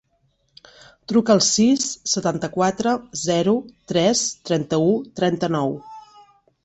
Truca al sis, setanta-quatre, zero, tres, trenta-u, trenta-nou.